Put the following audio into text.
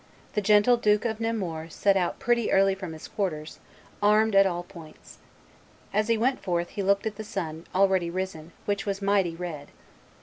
"The gentle Duke of Nemours set out pretty early from his quarters, armed at all points. As he went forth he looked at the sun, already risen, which was mighty red.